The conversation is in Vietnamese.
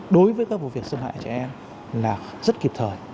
đối với các vụ việc xâm hại trẻ em là rất kịp thời